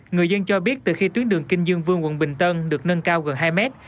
người dân cho biết từ khi tuyến đường kinh dương vương quận bình tân được nâng cao gần hai mét